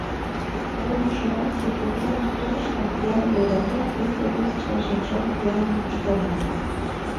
Погынышо-влак, секретарьым колыштын, вуйым рӱзалтен, икте-весыштлан шинчам пӱялын воштылалыт.